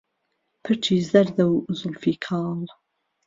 پرچی زهرده و زولفی کاڵ